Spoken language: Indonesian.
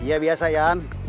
iya biasa iyan